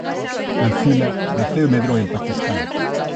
Tanzila naceu e medrou en Paquistán.